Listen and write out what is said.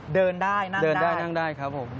เดินได้นั่งเดินได้นั่งได้ครับผม